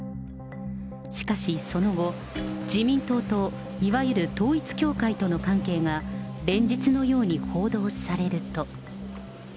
しかしその後、自民党といわゆる統一教会との関係が、連日のように報道されると。